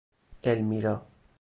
المیرا